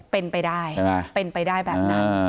เป็นไปได้เป็นไปได้แบบนั้น